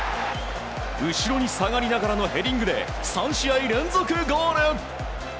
後ろに下がりながらのヘディングで３試合連続ゴール！